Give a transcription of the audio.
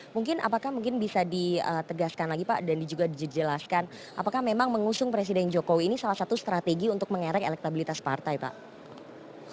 mungkin apakah mungkin bisa ditegaskan lagi pak dan juga dijelaskan apakah memang mengusung presiden jokowi ini salah satu strategi untuk mengerek elektabilitas partai pak